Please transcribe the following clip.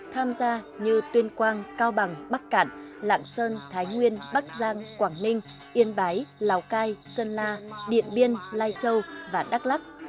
tham gia như tuyên quang cao bằng bắc cạn lạng sơn thái nguyên bắc giang quảng ninh yên bái lào cai sơn la điện biên lai châu và đắk lắc